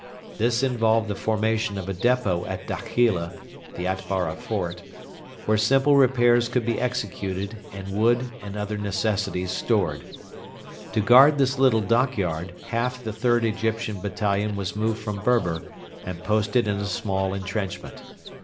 This involved the formation of a depot at Dakhila ['Atbara Fort'], where simple repairs could be executed and wood and other necessities stored. To guard this little dockyard half the 3rd Egyptian battalion was moved from Berber and posted in a small entrenchment.